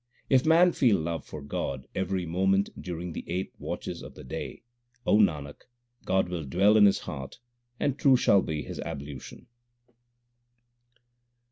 If man feel love for God every moment during the eight watches of the day, O Nanak, God will dwell in his heart and true shall be his ablution.